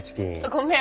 ごめん。